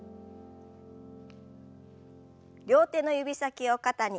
両手の指先を肩に。